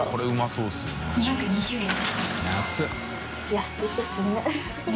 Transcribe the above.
安いですね。